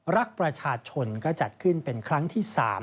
รักประชาชนก็จัดขึ้นเป็นครั้งที่๓